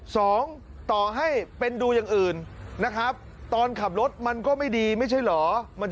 สองต่อให้เป็นดูอย่างอื่นนะครับตอนขับรถมันก็ไม่ดีไม่ใช่เหรอ